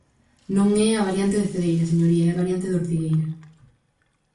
Non é a variante de Cedeira, señoría, é a variante de Ortigueira.